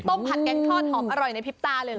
ต้มผัดแกงทอดอร่อยในพิปตาเลยหรอ